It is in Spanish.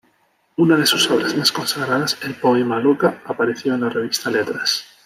Una de sus obras más consagradas, el poema "Loca" apareció en la revista "Letras".